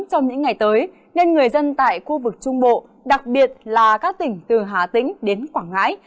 trong những ngày tới nên người dân tại khu vực trung bộ đặc biệt là các tỉnh từ hà tĩnh đến quảng ngãi